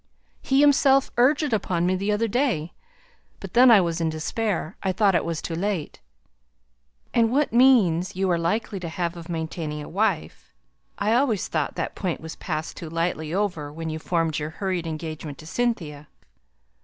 "He himself urged it upon me the other day but then I was in despair I thought it was too late." "And what means you are likely to have of maintaining a wife? I always thought that point was passed too lightly over when you formed your hurried engagement to Cynthia.